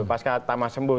pasca tama sembuh